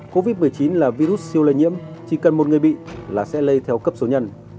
covid một mươi chín là virus siêu lây nhiễm chỉ cần một người bị là sẽ lây theo cấp số nhân